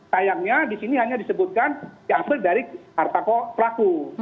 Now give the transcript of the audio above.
sayangnya disini hanya disebutkan diambil dari harta pelaku